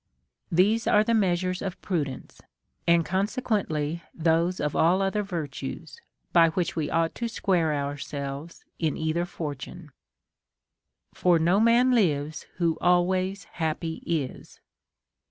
These are the measures of prudence, and consequently those of all other virtues, by which we ought to square ourselves in either fortune. For no man lives who always happy is.